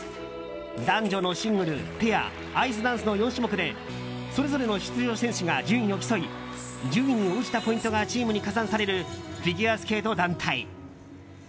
男女のシングルペア、アイスダンスの４種目でそれぞれの出場選手が順位を競い順位に応じたポイントがチームに加算されるフィギュアスケート団体。